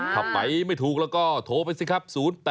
ถ้าไปไม่ถูกแล้วก็โทรไปสิครับ